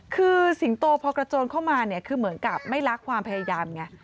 คือสิงโตพอกระโจนเข้ามาเนี่ยคือเหมือนกับไม่ลักความพยายามไง